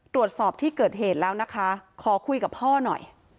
ตรวจสอบที่เกิดเหตุแล้วนะคะขอคุยกับพ่อหน่อย